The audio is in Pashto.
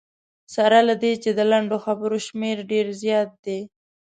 سره له دې چې د لنډو خبرو شمېر ډېر زیات دی.